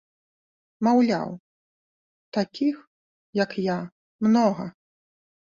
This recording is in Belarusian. Маўляў, такіх, як я, многа.